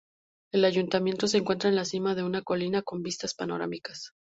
El ayuntamiento se encuentra en la cima de una colina con vistas panorámicas.